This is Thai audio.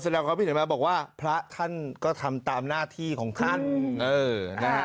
แสดงความคิดเห็นมาบอกว่าพระท่านก็ทำตามหน้าที่ของท่านเออนะฮะ